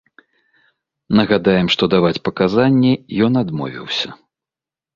Нагадаем, што даваць паказанні ён адмовіўся.